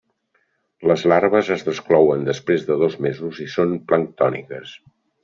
Les larves es desclouen després de dos mesos i són planctòniques.